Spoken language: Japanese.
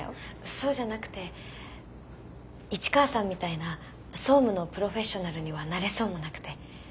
そうじゃなくて市川さんみたいな総務のプロフェッショナルにはなれそうもなくて。